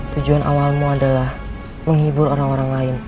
tujuan awalmu adalah menghibur orang orang lain